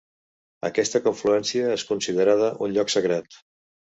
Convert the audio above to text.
Aquesta confluència és considerada un lloc sagrat.